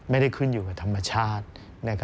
ไม่ได้ขึ้นอยู่กับธรรมชาติ